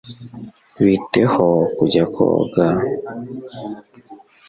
bite ho kujya koga